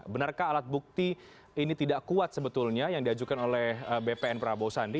benarkah alat bukti ini tidak kuat sebetulnya yang diajukan oleh bpn prabowo sandi